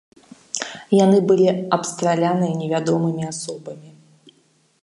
Яны былі абстраляныя невядомымі асобамі.